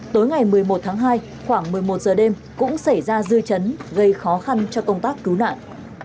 tối ngày một mươi một tháng hai khoảng một mươi một giờ đêm cũng xảy ra dư chấn gây khó khăn cho công tác cứu nạn